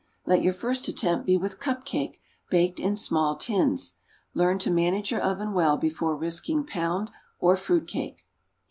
Let your first attempt be with cup cake baked in small tins. Learn to manage your oven well before risking pound or fruit cake.